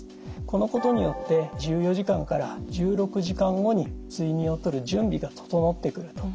このことによって１４時間から１６時間後に睡眠をとる準備が整ってくると。